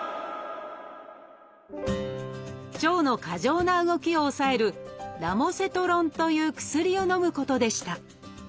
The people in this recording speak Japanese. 腸の過剰な動きを抑える「ラモセトロン」という薬をのむことでした。